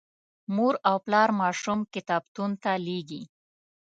مور او پلار ماشوم کتابتون ته لیږي.